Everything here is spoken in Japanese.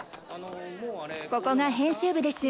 ここが編集部です。